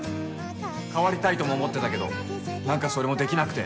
変わりたいとも思ってたけど何かそれもできなくて